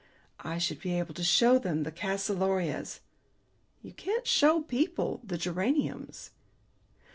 I should be able to show them the calceolarias; you can't show people the geraniums."